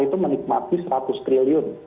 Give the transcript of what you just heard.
itu menikmati seratus triliun